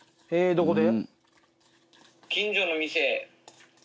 どこで？